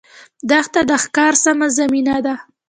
دښته د ښکار سمه زمینه ده.